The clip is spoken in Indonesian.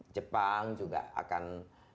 jepang juga akan